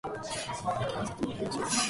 青森県外ヶ浜町